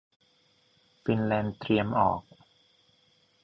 ฟินแลนด์เตรียมออก